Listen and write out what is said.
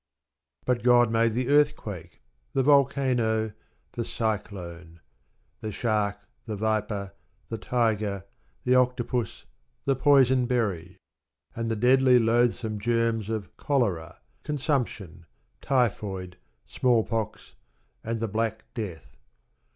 But God made the earthquake, the volcano, the cyclone; the shark, the viper, the tiger, the octopus, the poison berry; and the deadly loathsome germs of cholera, consumption, typhoid, smallpox, and the black death.